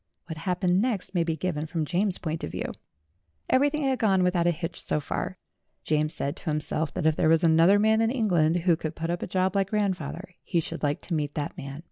What happened next may be given from James's point of view. Everything had gone without a hitch so far ; James said to himself that if there was another man in Eng land who could put up a job like grandfather, he should like to meet that man.